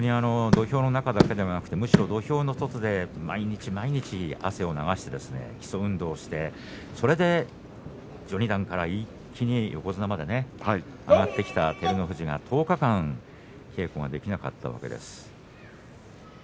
土俵の中だけではなくむしろ土俵の外で毎日毎日汗を流して基礎運動をしてそれで序二段から一気に横綱まで上がってきた照ノ富士が１０日間稽古できなかったわけです。